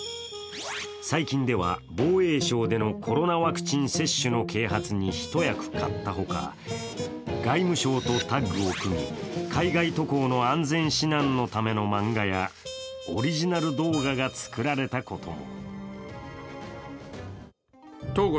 最近では、防衛省でのコロナワクチン接種の啓発に一役買ったほか、外務省とタッグを組み、海外渡航の安全指南のための漫画やオリジナル動画が作られたことも。